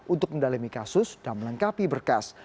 untuk mendalami kasus dan melengkapi berkas